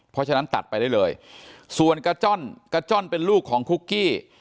เพราะฉะนั้นตัดไปได้เลยส่วนกระจ้อนกระจ้อนเป็นลูกของคุกกี้